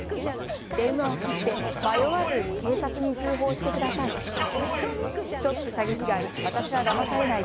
電話を切って迷わず警察に通報してください。